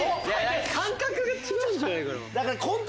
感覚が違うんじゃないかな。